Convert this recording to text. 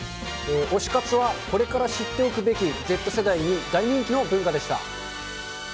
推し活はこれから知っていくべきＺ世代に大人気の文化でした。